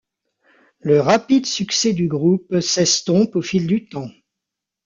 Le rapide succès du groupe s'estompe au fil du temps.